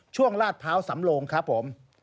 ช่วงลาดเผาสำโลงครับผม